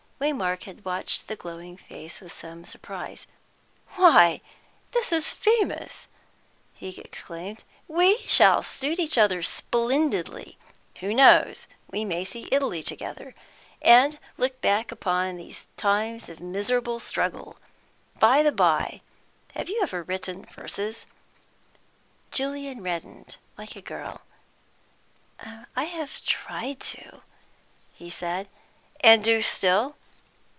Waymark had watched the glowing face with some surprise. "Why, this is famous!" he exclaimed. "We shall suit each other splendidly. Who knows? We may see Italy together, and look back upon these times of miserable struggle. By the by, have you ever written verses?" Julian reddened, like a girl. "I have tried to," he said. "And do still?"